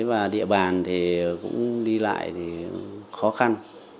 và địa bàn thì cũng đi lại thì khó khăn